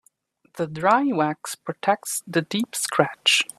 The dry wax protects the deep scratch.